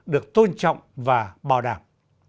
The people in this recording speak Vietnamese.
được tôn trọng và bảo đảm